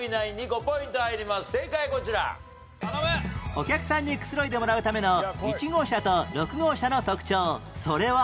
お客さんにくつろいでもらうための１号車と６号車の特徴それは